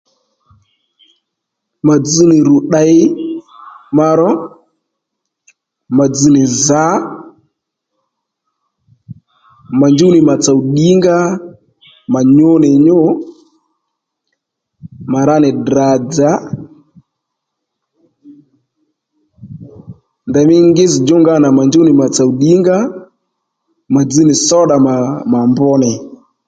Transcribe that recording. Ma dzz nì ru ddey ma ró ma dzz nì zǎ mà njúw nì mà tsò ddìnga mà nyu nì nyû mà ra nì Ddra dza ndèymí ngís-djú-nga nà mà njúw nì mà tsò ddìnga ó mà dzz nì soddà mà mà mbr nì